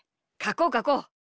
こうかこう！